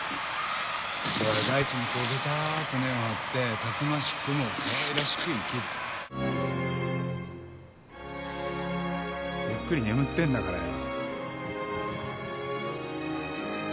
「だから大地にこうべたーっと根を張ってたくましくもかわいらしく生きる」「ゆっくり眠ってんだからよ」